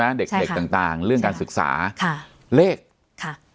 เด็กเด็กต่างต่างเรื่องการศึกษาค่ะเลขค่ะ